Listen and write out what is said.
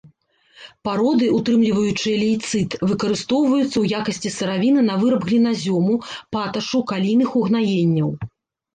Пароды, утрымліваючыя лейцыт, выкарыстоўваюцца ў якасці сыравіны на выраб гліназёму, паташу, калійных угнаенняў.